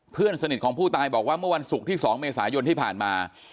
เพื่อนสนิทของผู้ตายบอกว่าเมื่อวันศุกร์ที่๒เมษายนที่ผ่านมา